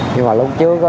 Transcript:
nhưng mà lúc trước